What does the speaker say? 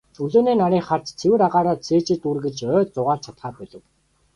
Өглөөний нарыг харж, цэвэр агаараар цээжээ дүүргэж, ойд зугаалж чадахаа болив.